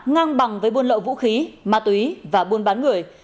ngang bằng với buôn lậu vũ khí ma túy và buôn bán người